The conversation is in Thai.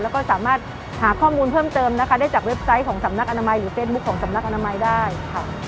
และก็สามารถหาข้อมูลเพิ่มเติมได้จากเว็บไซต์อธิษฐ์กรุงเทพมหานคร